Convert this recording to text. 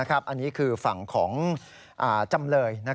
อันนี้คือฝั่งของจำเลย